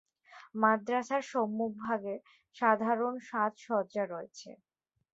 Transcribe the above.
মাদ্রাসার সম্মুখভাগে সাধারণ সাজসজ্জা রয়েছে।